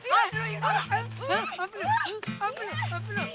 kamu harus pulang kamu harus pulang